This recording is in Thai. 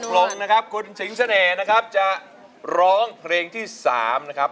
ลงนะครับคุณสิงเสน่ห์นะครับจะร้องเพลงที่๓นะครับ